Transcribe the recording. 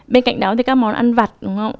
bên cạnh đó thì các món ăn vặt